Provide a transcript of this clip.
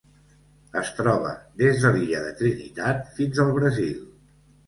Es troba des de l'Illa de Trinitat fins al Brasil.